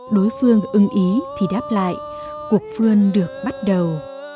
đối phương ưng ý thì đáp lại cuộc phương được bắt đầu